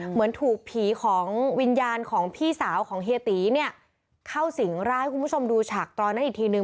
เหมือนถูกผีของวิญญาณของพี่สาวของเฮียตีเนี่ยเข้าสิ่งร่างให้คุณผู้ชมดูฉากตอนนั้นอีกทีนึง